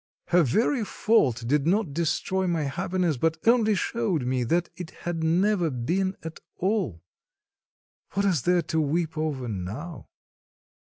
Her very fault did not destroy my happiness, but only showed me that it had never been at all. What is there to weep over now?